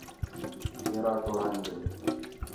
پھیرا ٹورا ہیندے